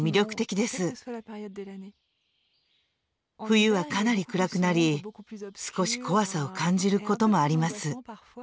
冬はかなり暗くなり少し怖さを感じることもあります。